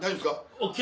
ＯＫ。